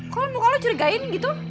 kok lu muka lu curigain gitu